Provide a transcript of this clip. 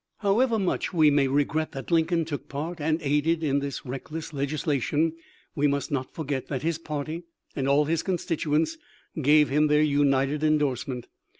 However much we may regret that Lincoln took part and aided in this reckless leg islation, we must not forget that his party and all his constituents gave him their united endorsement.